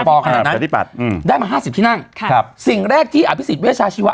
ประชาธิปัตย์อืมได้มาห้าสิบที่นั่งครับสิ่งแรกที่อภิษฐเวชาชีวะ